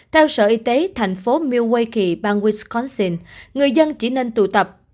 theo sở y tế thành phố milwaukee bang wisconsin người dân chỉ nên tụ tập